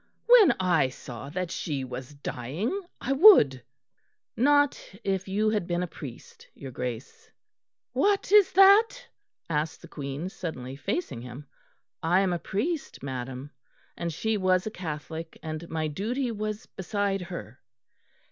"When I saw that she was dying, I would." "Not if you had been a priest, your Grace." "What is that?" asked the Queen, suddenly facing him. "I am a priest, madam, and she was a Catholic, and my duty was beside her."